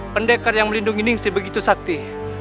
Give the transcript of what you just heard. pendekar yang melindungi ning si begitu sakti